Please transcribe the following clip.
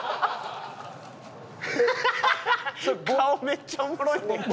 顔めっちゃおもろい！